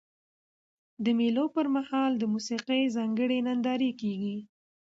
د مېلو پر مهال د موسیقۍ ځانګړي نندارې کیږي.